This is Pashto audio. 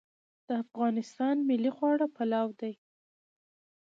د افغانستان ملي خواړه پلاو دی